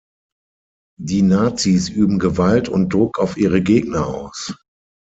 Die Nazis üben Gewalt und Druck auf ihre Gegner aus.